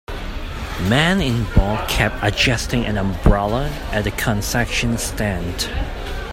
Man in ball cap adjusting an umbrella at a concession stand.